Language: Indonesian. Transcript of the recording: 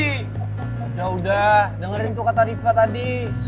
udah udah dengerin tuh kata rifa tadi